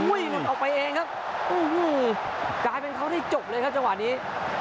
หลุดออกไปเองครับโอ้โหกลายเป็นเขาได้จบเลยครับจังหวะนี้